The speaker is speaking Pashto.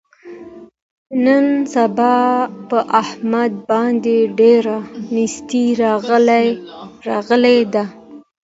نن سبا په احمد باندې ډېره نیستي راغلې ده.